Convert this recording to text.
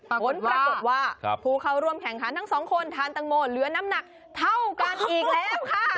ผลปรากฏว่าผู้เข้าร่วมแข่งขันทั้งสองคนทานตังโมเหลือน้ำหนักเท่ากันอีกแล้วค่ะ